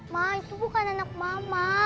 mas itu bukan anak mama